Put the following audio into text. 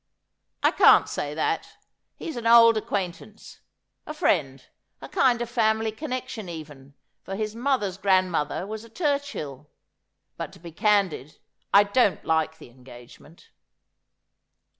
'I can't say that. He's an old acquaintance— a friend — a kind of family connection even, for his mother's grandmother was a Turchill. But to be candid, I don't like the engagement.'